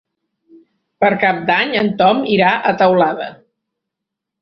Per Cap d'Any en Tom irà a Teulada.